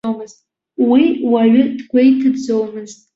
Уи уаҩы дгәеиҭаӡомызт.